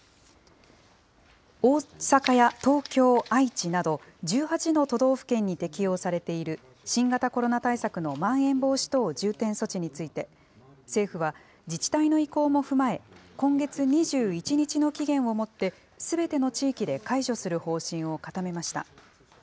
大阪や東京、愛知など１８の都道府県に適用されている新型コロナ対策のまん延防止等重点措置について政府は自治体の意向も踏まえ今月２１日の期限をもってすべての地域で解除する方針を固めました。